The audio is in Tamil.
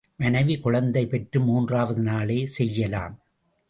மனைவி குழந்தை பெற்று மூன்றாவது நாளே செய்யலாம்.